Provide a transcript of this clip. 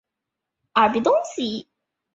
凫庄因形似野鸭浮水而得名。